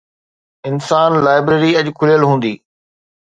انسان، لائبريري اڄ کليل هوندي